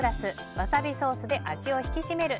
ワサビソースで味を引き締める。